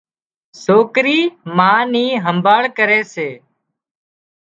سوڪري ما نِي همڀاۯ ڪري سي